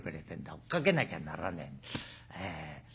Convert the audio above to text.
追っかけなきゃならねえ。